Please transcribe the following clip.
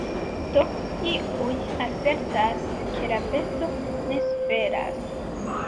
Do iuj asertas, ke la besto ne suferas.